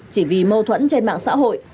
chỉ vì mâu thuẫn trên mạng xã hội